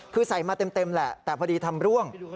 คือใส่มาเต็มแหละแต่พอดีทำร่วง